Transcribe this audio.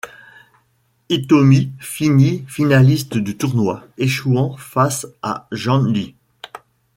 Hitomi finit finaliste du tournoi, échouant face à Jann Lee.